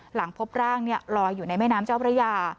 หลังพบร่างลอยอยู่ในแม่น้ำเจ้าพระยา